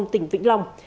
tỉnh vĩnh long